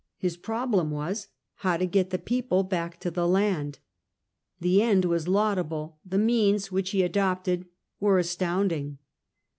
His problem was, how to get the people back to the land. The end was laudable, the means which he adopted were astounding.